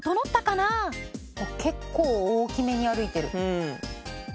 結構大きめに歩いてる。